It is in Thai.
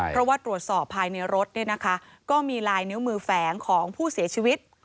เพราะว่าตรวจสอบภายในรถก็มีลายนิ้วมือแฝงของผู้เสียชีวิต